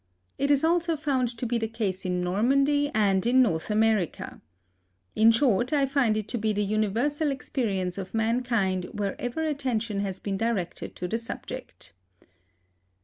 It is also found to be the case in Normandy, and in North America. In short, I find it to be the universal experience of mankind wherever attention has been directed to the subject."